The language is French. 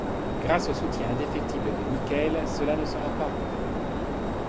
Grâce au soutien indéfectible de Nickel, cela ne sera pas.